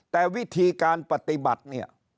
แต่วิธีการปฏิบัติ